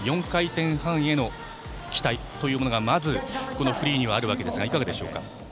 ４回転半への期待がまずフリーにはあるわけですがいかがでしょうか。